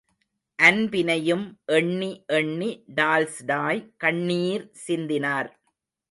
அன்பினையும் எண்ணி எண்ணி டால்ஸ்டாய் கண்ணீர் சிந்தினார்.